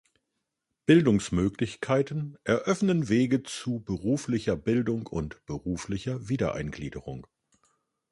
Bildungsmöglichkeiten eröffnen Wege zu beruflicher Bildung und beruflicher Wiedereingliederung.